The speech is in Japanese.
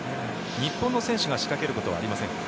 日本の選手が仕掛けることはありませんか？